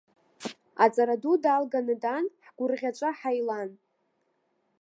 Аҵара ду далганы даан, ҳгәырӷьаҵәа ҳаилан.